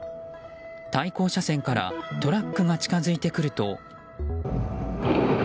対向車線からトラックが近づいてくると。